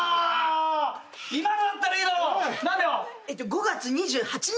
５月２８日。